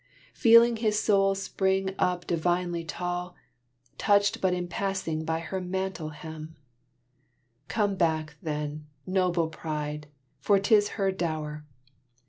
Feeling his soul spring up divinely tall, Touched but in passing by her mantle hem. Come back, then, noble pride, for 'tis her dower!